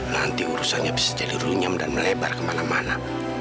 nanti urusannya bisa jadi runyam dan melebar kemana mana